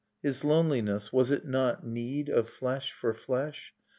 His loneliness — was it not need Of flesh for flesh?